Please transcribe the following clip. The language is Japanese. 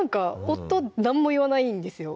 夫何も言わないんですよ